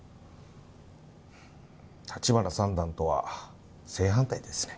橘三段とは正反対ですね。